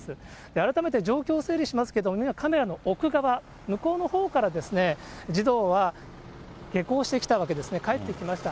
改めて状況を整理しますけれども、今、カメラの奥側、向こうのほうから児童は下校をしてきたわけですね、帰ってきました。